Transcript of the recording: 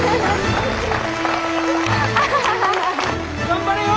頑張れよ！